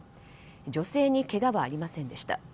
女性にけがはありませんでした。